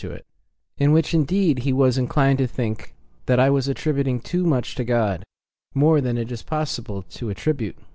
250 THE MONADOLOGY indeed he was inclined to think that I was attributing too much to God more than it is possible to attribute.